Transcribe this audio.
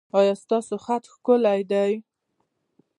ایا ستاسو خط ښکلی دی؟